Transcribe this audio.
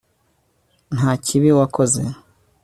nta kibi wakoze